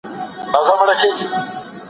که باران ودرېږي نو قمري به بیا والوزي.